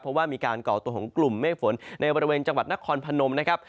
เพราะว่ามีการก่อตัวของกลุ่มเมฆฝนในบริเวณจังหวัดนครพนมนะครับ